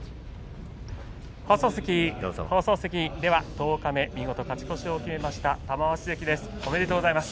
十日目見事勝ち越しを決めました玉鷲関です。